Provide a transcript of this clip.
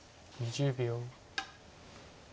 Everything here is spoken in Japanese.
２０秒。